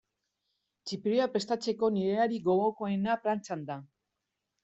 Txipiroia prestatzeko nire erarik gogokoena da plantxan da.